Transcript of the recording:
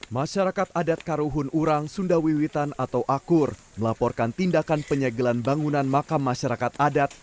masyarakat adat karuhun urang sundawiwitan atau akur melaporkan tindakan penyegelan bangunan makam masyarakat adat